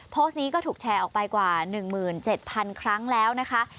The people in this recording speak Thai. โพสต์นี้ก็ถูกแชร์ออกไปกว่า๑๗๐๐ครั้งแล้วนะคะ